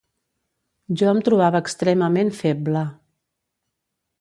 Jo em trobava extremament feble